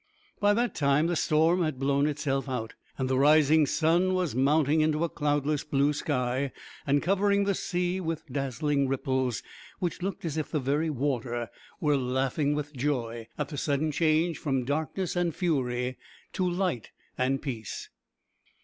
By that time the storm had blown itself out, and the rising sun was mounting into a cloudless blue sky, and covering the sea with dazzling ripples, which looked as if the very water were laughing with joy at the sudden change from darkness and fury to light and peace.